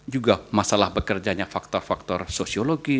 juga masalah bekerjanya faktor faktor sosiologi